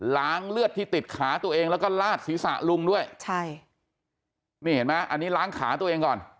เลือดที่ติดขาตัวเองแล้วก็ลาดศีรษะลุงด้วยใช่นี่เห็นไหมอันนี้ล้างขาตัวเองก่อน